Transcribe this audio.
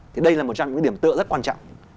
thì đây là một trong những điểm tựa rất quan trọng